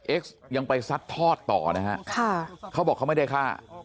เอ็กซ์ยังไปซัดทอดต่อนะฮะค่ะเขาบอกเขาไม่ได้ฆ่า